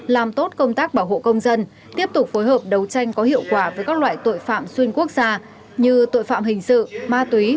làm tốt công tác bảo hộ công dân tiếp tục phối hợp đấu tranh có hiệu quả với các loại tội phạm xuyên quốc gia như tội phạm hình sự ma túy